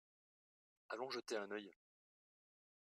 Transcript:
Allons jeter un œil.